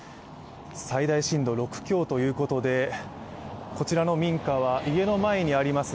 最大震度６強ということでこちらの民家は家の前にあります